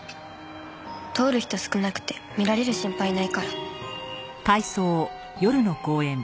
通る人少なくて見られる心配ないから。